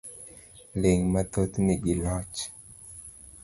Ling' mathoth nigi loch .